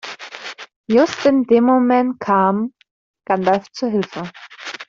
Just in dem Moment kam Gandalf zu Hilfe.